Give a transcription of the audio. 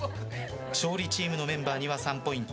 勝利チームのメンバーには３ポイント。